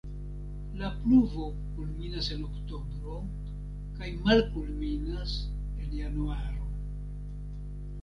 La pluvo kulminas en oktobro kaj malkulminas en januaro.